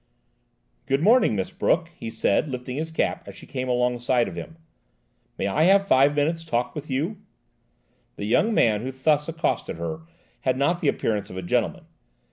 "Good morning, Miss Brooke," he said, lifting his cap as she came alongside of him. "May I have five minutes' talk with you?" "GOOD MORNING, MISS BROOKE." The young man who thus accosted her had not the appearance of a gentleman.